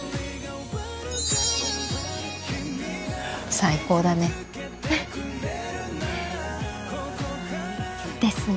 最高だね。ですね。